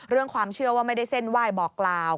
ความเชื่อว่าไม่ได้เส้นไหว้บอกกล่าว